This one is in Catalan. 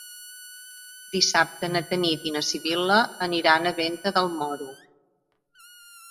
Dissabte na Tanit i na Sibil·la aniran a Venta del Moro.